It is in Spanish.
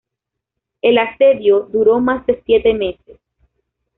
El asedio duró más de siete meses.